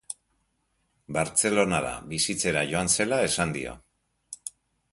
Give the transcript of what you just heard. Bartzelonara bizitzera joan zela esan dio.